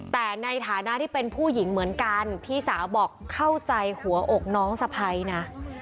แต่ในฐานะที่เป็นผู้หญิงเหมือนกันพี่สาวบอกเข้าใจหัวอกน้องสะพ้ายนะ